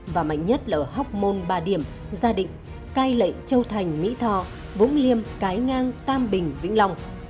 và mạnh nhất là ở hóc môn ba điểm gia định cai lệ châu thành mỹ thò vũng liêm cái ngang tam bình vĩnh long